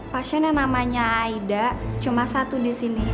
pasien yang namanya aida cuma satu di sini